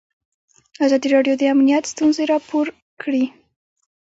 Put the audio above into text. ازادي راډیو د امنیت ستونزې راپور کړي.